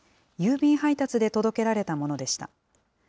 郵便配達で届けられたものでした。